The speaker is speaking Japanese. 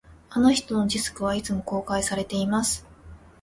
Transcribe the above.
あの人のデスクは、いつも公開されています